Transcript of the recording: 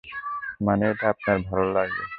মানে এটা আপনার ভালো লাগে!